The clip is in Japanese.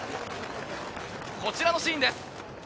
こちらのシーンです。